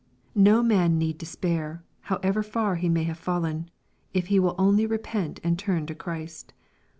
No man need despair, however far he may have fallen, if he will only repent and turn to Christ.